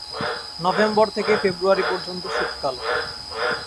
November থেকে February পর্যন্ত শীতকাল।